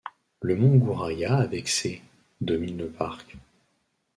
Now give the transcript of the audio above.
Le mont Gouraya avec ses domine le parc.